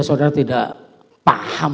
saudara tidak paham